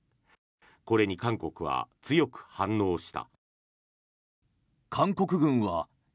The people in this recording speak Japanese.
これに韓国は強く反応した。